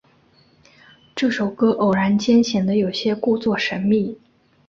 这首歌偶然间显得有些故作神秘。